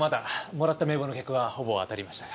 もらった名簿の客はほぼ当たりましたが。